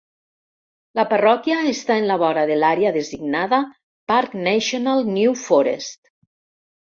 La parròquia està en la vora de l'àrea designada Parc Nacional New Forest.